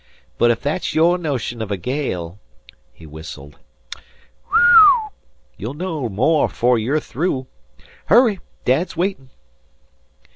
"But ef thet's your notion of a gale " He whistled. "You'll know more 'fore you're through. Hurry! Dad's waitin'."